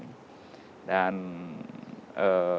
dan selama ini hampir tidak ada